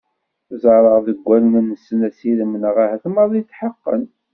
Ẓerreɣ deg wallen-nsen asirem neɣ ahat maḍi tḥeqqen.